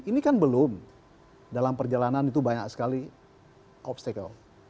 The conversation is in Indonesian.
ini kan belum dalam perjalanan itu banyak sekali obstacle